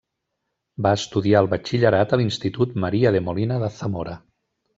Va estudiar el batxillerat a l'Institut Maria de Molina de Zamora.